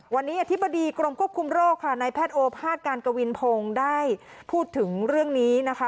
วันนี้อธิบดีกรมควบคุมโรคค่ะในแพทย์โอภาษย์การกวินพงศ์ได้พูดถึงเรื่องนี้นะคะ